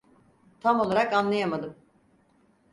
Tam olarak anlayamadım.